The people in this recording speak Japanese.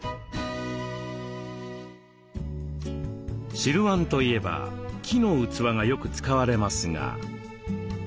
汁わんといえば木の器がよく使われますが。